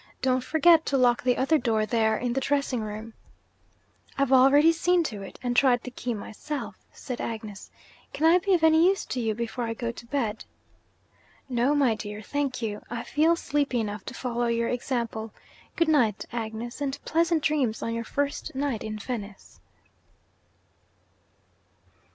'Don't forget to lock the other door there, in the dressing room.' 'I have already seen to it, and tried the key myself,' said Agnes. 'Can I be of any use to you before I go to bed?' 'No, my dear, thank you; I feel sleepy enough to follow your example. Good night, Agnes and pleasant dreams on your first night in Venice.'